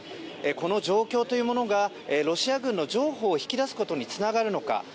この状況というものがロシア軍の譲歩を引き出すことにつながるのか